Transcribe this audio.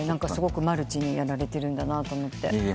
すごくマルチにやられてるんだなと思って。